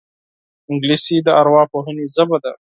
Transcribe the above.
انګلیسي د ارواپوهنې ژبه ده